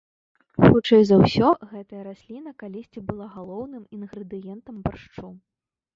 Хутчэй за ўсё, гэтая расліна калісьці была галоўным інгрэдыентам баршчу.